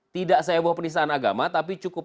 tidak saya bawa penistaan agama tapi cukup